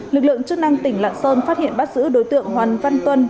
lực lượng chức năng tỉnh lạng sơn phát hiện bắt giữ đối tượng hoàng văn tuân